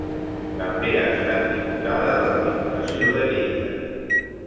També ha estat diputada de la diputació de Lleida.